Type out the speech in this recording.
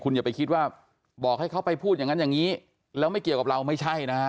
อย่าไปคิดว่าบอกให้เขาไปพูดอย่างนั้นอย่างนี้แล้วไม่เกี่ยวกับเราไม่ใช่นะฮะ